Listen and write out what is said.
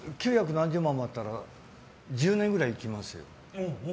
何十万だったら１０年くらい行きますよ。